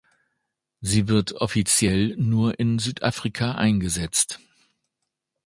Sie wird offiziell nur in Südafrika eingesetzt.